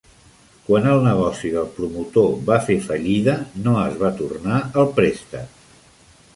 Quan el negoci del promotor va fer fallida, no es va tornar el préstec.